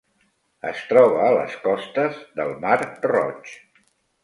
Es troba a les costes del Mar Roig.